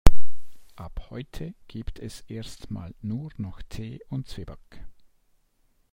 Ab heute gibt es erst mal nur noch Tee und Zwieback.